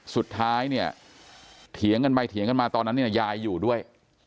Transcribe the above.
สุดท้ายเถียงกันไปเถียงกันมาตอนนั้นยายอยู่ด้วย